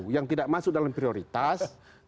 yang tidak masuk dalam prioritas